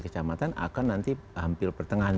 kecamatan akan nanti hampir pertengahan